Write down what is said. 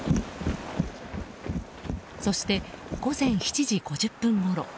そして、午前７時５０分ごろ。